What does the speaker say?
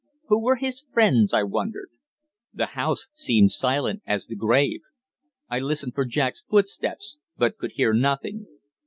Who were his friends, I wondered? The house seemed silent as the grave. I listened for Jack's footsteps, but could hear nothing.